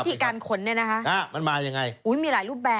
ที่การขนเนี่ยนะคะมันมายังไงอุ้ยมีหลายรูปแบบ